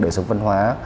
đời sống văn hóa